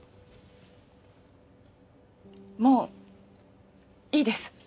もういいです。